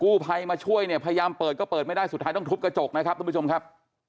ผู้ภัยมาช่วยเนี่ยพยายามเปิดก็เปิดไม่ได้สุดท้ายต้องทุบกระจกนะครับทุกผู้ชมครับ